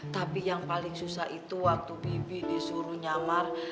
tapi yang paling susah itu waktu bibi disuruh nyamar